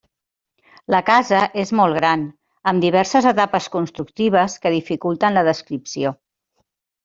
La casa és molt gran, amb diverses etapes constructives que dificulten la descripció.